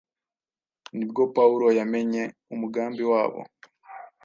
nibwo Pawulo yamenye umugambi wabo